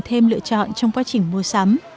thêm lựa chọn trong quá trình mua sắm